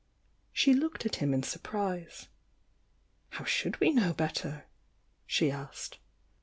She looked at him in surprise. "How should we know better?" she asked.